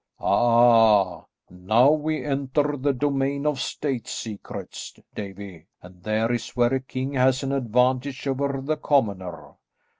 "Ah, now we enter the domain of State secrets, Davie, and there is where a king has an advantage over the commoner.